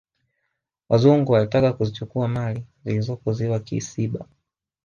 wazungu walitaka kuzichukua mali zilizopo ziwa kisiba